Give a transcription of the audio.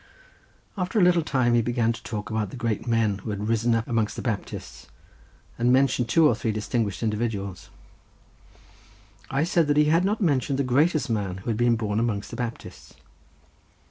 After a little time he began to talk about the great men who had risen up amongst the Baptists, and mentioned two or three distinguished individuals. I said that he had not mentioned the greatest man who had been born amongst the Baptists.